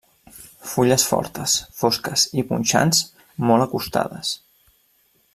Fulles fortes, fosques i punxants, molt acostades.